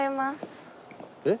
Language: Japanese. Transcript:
えっ？